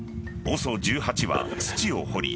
ＯＳＯ１８は土を掘り